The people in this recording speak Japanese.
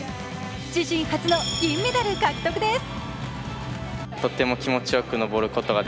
自身初の銀メダル獲得です！